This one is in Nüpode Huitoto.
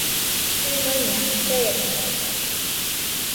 Kɨmaɨna seenaitɨkue